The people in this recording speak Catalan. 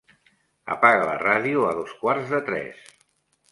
Apaga la ràdio a dos quarts de tres.